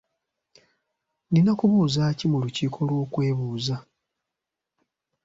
Nina kubuuza ki mu lukiiko lw'okwebuuza?